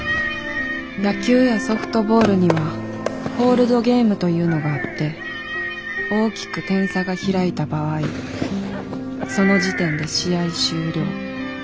野球やソフトボールにはコールドゲームというのがあって大きく点差が開いた場合その時点で試合終了。